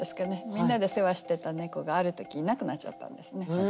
みんなで世話してた猫がある時いなくなっちゃったんですね。